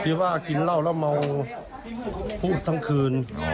ที่ว่ากินเหล้าแล้วเมาทั้งคืนอ๋อ